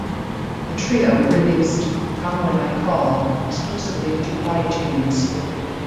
The Trio released "Come When I Call" exclusively to iTunes.